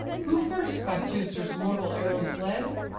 Who first by Teucer's mortal arrows bled?